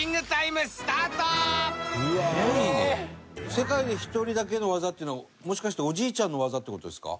それでは世界に１人だけの技っていうのはもしかしておじいちゃんの技っていう事ですか？